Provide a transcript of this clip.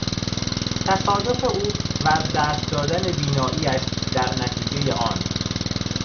تصادف او و از دست دادن بینائیش در نتیجهی آن